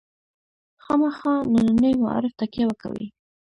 خامخا ننني معارف تکیه وکوي.